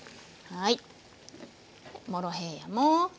はい。